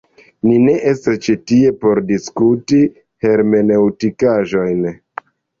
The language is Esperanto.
Ni ne estas ĉi tie por diskuti hermeneŭtikaĵojn!